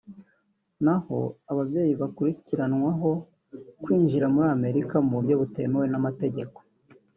naho ababyeyi bakurikiranwaho kwinjira muri Amerika mu buryo butemewe n’amategeko